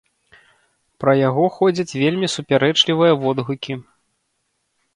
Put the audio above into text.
Пра яго ходзяць вельмі супярэчлівыя водгукі.